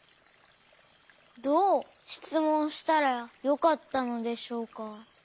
どうしつもんしたらよかったのでしょうか。